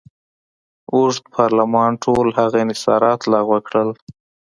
اوږد پارلمان ټول هغه انحصارات لغوه کړل.